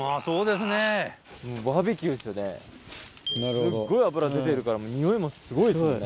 すっごい脂出てるから匂いもすごいですもんね。